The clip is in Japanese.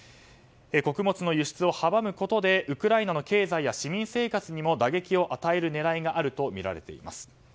穀物の輸出を阻むことでウクライナの経済や市民生活にも打撃を与える狙いがあるとみられています。